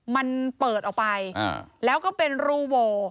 มันเปิดออกไปแล้วก็เป็นรูโว